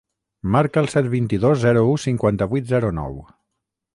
Marca el set, vint-i-dos, zero, u, cinquanta-vuit, zero, nou.